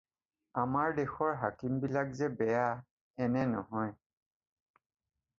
আমাৰ দেশৰ হাকিমবিলাক যে বেয়া এনে নহয়।